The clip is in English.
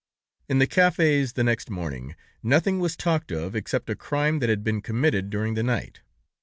"In the cafés the next morning, nothing was talked of except a crime that had been committed during the night.